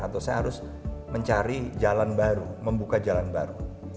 atau saya harus mencari jalan baru membuka jalan baru